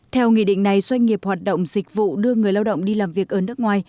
theo nghị định này doanh nghiệp hoạt động dịch vụ đưa người lao động đi làm việc ở nước ngoài